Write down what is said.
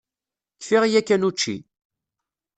Kfiɣ yakan učči.